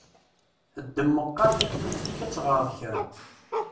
Ddem meqqaṛ taktubt-ik ad teɣṛeḍ kra!